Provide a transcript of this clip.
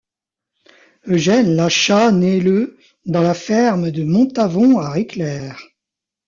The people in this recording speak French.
Eugène Lachat naît le dans la ferme de Montavon à Réclère.